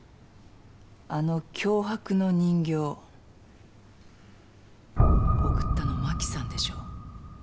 あの脅迫の人形送ったの真紀さんでしょ？